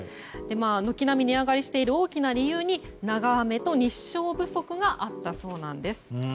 軒並み値上がりしている大きな理由に、長雨と日照不足があったそうなんです。